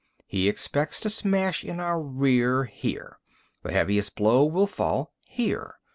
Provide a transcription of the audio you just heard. He expects to smash in our rear, here. The heaviest blow will fall here.